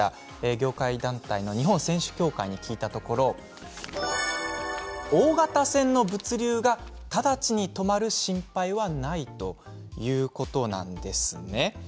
業界団体の日本船主協会に聞いたところ大型船の物流が直ちに止まる心配はないということなんですね。